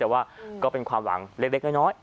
แต่ว่าก็เป็นความหวังเล็กน้อย